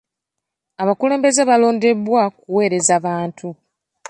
Abakulembeze balondebwa kuweereza bantu.